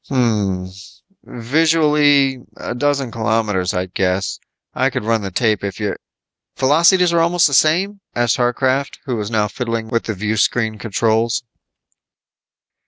"Hm m m. Visually, a dozen kilometers, I'd guess. I could run the tape if you " "Velocities almost the same?" asked Harcraft, who was now fiddling with the viewscreen controls.